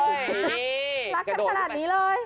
รักกันขนาดนี้เลย